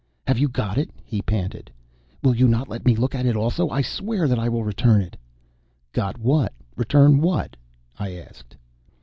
"Have you got it?" he panted. "Will you not let me look at it also? I swear that I will return it." "Got what? Return what?" asked.